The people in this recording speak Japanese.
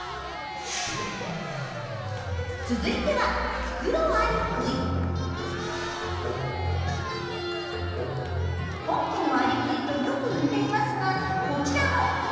続いては本家のアリクイとよく似ていますがこちらも他人のそら似。